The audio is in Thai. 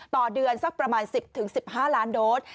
ต่อเดือนสักประมาณ๑๐๑๕ล้านโดส